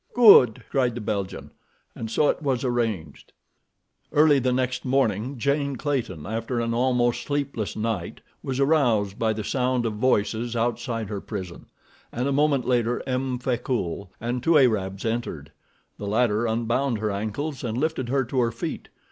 "Good," cried the Belgian, and so it was arranged. Early the next morning Jane Clayton, after an almost sleepless night, was aroused by the sound of voices outside her prison, and a moment later, M. Frecoult, and two Arabs entered. The latter unbound her ankles and lifted her to her feet.